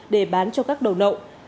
để bán cho các đầu nậu